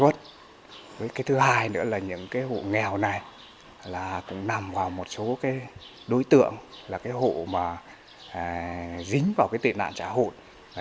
thứ hai nữa là những cái hộ nghèo này là cũng nằm vào một số cái đối tượng là cái hộ mà dính vào cái tình nạn trả hội